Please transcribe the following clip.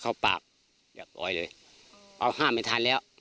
เน้นวันตกปลาไม่ทันแล้ว